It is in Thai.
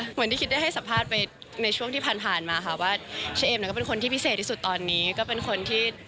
เหมือนข่าวที่มีคนแบบ